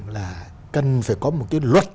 là cần phải có một cái luật